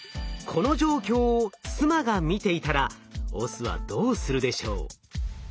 この状況を妻が見ていたらオスはどうするでしょう？